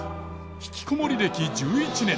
ひきこもり歴１１年。